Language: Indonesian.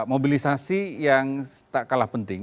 mobilisasi yang tak kalah penting